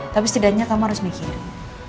tapi setidaknya kamu harus mikirin